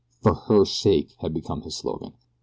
FOR HER SAKE! had become his slogan.